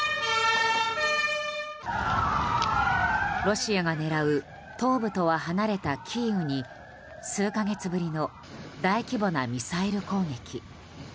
ロシアが狙う東部とは離れたキーウに数か月ぶりの大規模なミサイル攻撃。